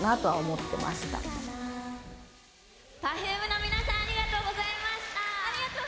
Ｐｅｒｆｕｍｅの皆さんありがとうございました。